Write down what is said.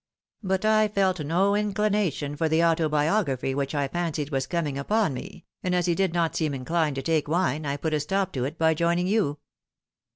But I felt no inclination for the auto biography which I fancied was coming upon me, and as he did not seem inclined to take wine, I put a stop to it by joining you."